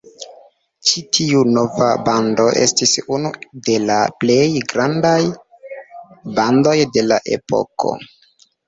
Ĉi tiu nova bando estis unu de la plej grandaj bandoj de la epoko.